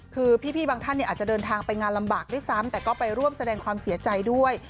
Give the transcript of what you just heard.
คือพี่บางท่านอาจจะเดินทางไปงานลำบากด้วยซ้ำแต่ก็ไปร่วมแสดงความเสียใจด้วย